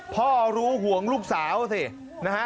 พ่อรู้ห่วงลูกสาวสินะฮะ